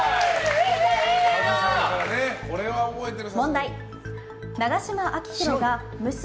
これは覚えている。